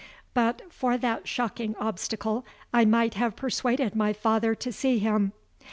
But for that shocking obstacle I might have persuaded my father to see him.